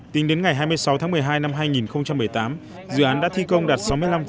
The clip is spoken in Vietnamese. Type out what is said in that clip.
tính đến ngày hai mươi sáu tháng một mươi hai năm hai nghìn một mươi tám dự án đã thi công đạt sáu mươi năm